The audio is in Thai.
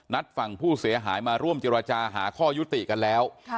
ฝั่งผู้เสียหายมาร่วมเจรจาหาข้อยุติกันแล้ว